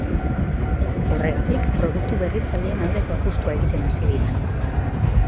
Horregatik, produktu berritzaileen aldeko apustua egiten hasi dira.